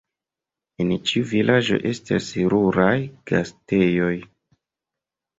En ĉiu vilaĝo estas ruraj gastejoj.